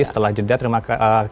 setelah jeda terima kasih